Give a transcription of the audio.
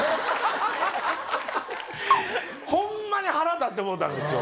ホンマに腹立ってもうたんですよ。